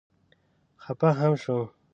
خفه هم شوم.